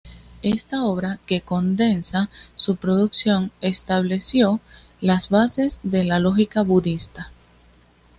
Esta obra, que condensa su producción, estableció las bases de la lógica budista..